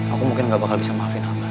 aku mungkin gak bakal bisa maafin apa